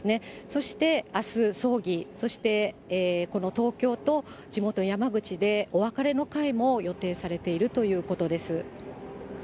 そして、あす葬儀、そしてこの東京と地元山口で、お別れの会も予定されているということです。